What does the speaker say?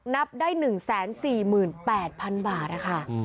นับได้๑๔๘๐๐๐บาทนะคะ